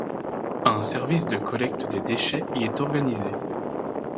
Un service de collecte des déchets y est organisé.